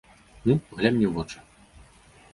Ну, глянь мне ў вочы.